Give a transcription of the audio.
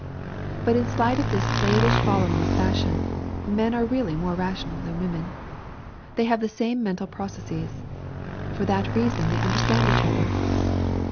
But in spite of this slavish following of fashion, men are really more rational than women. They have the same mental processes. For that reason they understand each other.